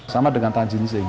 sama dengan tan jin sing